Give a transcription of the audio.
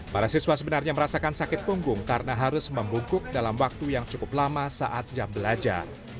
para siswa sebenarnya merasakan sakit punggung karena harus membungkuk dalam waktu yang cukup lama saat jam belajar